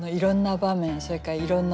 それからいろんな思い